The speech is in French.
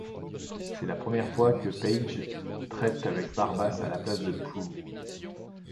C'est la première fois que Paige traite avec Barbas à la place de Prue.